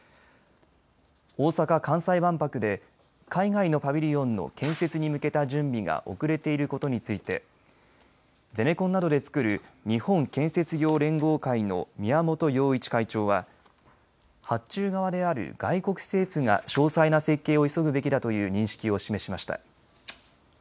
大阪・関西万博で海外のパビリオンの建設に向けた準備が遅れていることについてゼネコンなどで作る日本建設業連合会の宮本洋一会長は発注側である外国政府が詳細な設計を急ぐべきだという認識を示しました。